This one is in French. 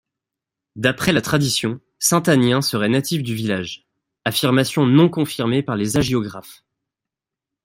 D’après la tradition, Saint-Agnin serait natif du village, affirmation non confirmée par les hagiographes.